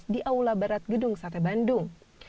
di aula barat gedung sate bandung